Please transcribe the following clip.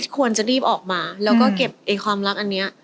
ควรจะรีบออกมาแล้วก็เก็บความรักอันนี้